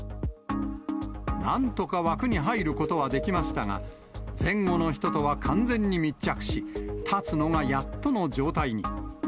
なんとか枠に入ることはできましたが、前後の人とは完全に密着し、立つのがやっとの状態に。